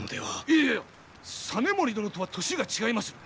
いや実盛殿とは年が違いまする。